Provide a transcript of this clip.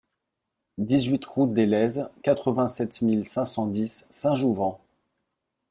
dix-huit route des Lèzes, quatre-vingt-sept mille cinq cent dix Saint-Jouvent